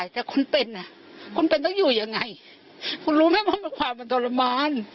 แต่คุณเป็นอ่ะคุณเป็นต้องอยู่ยังไงคุณรู้ไหมว่าเป็นความมันทรมาน